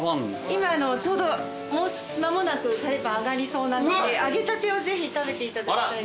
今ちょうどもう間もなくカレーパン揚がりそうなので揚げたてをぜひ食べていただきたい。